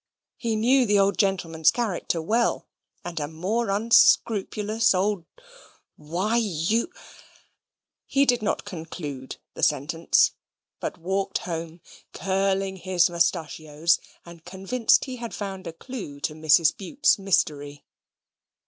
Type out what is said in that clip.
He knew the old gentleman's character well; and a more unscrupulous old whyou he did not conclude the sentence, but walked home, curling his mustachios, and convinced he had found a clue to Mrs. Bute's mystery.